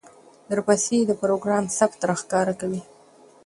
درپسې د پروګرام ثبت راښکاره کوي،